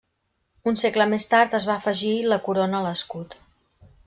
Un segle més tard es va afegir la corona a l'escut.